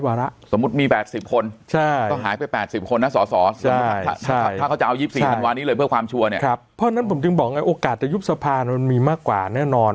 เพราะฉะนั้นผมถึงบอกไงโอกาสจะยุบสภามันมีมากกว่าแน่นอน